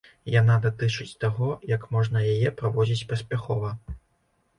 Яна датычыць таго, як можна яе праводзіць паспяхова.